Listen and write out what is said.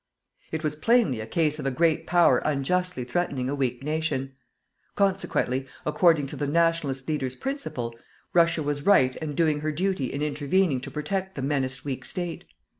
It was plainly a case of a great Power unjustly threatening a weak nation. Consequently, according to the "Nationalist" leader's principle, Russia was right and doing her duty in intervening to protect the menaced weak State.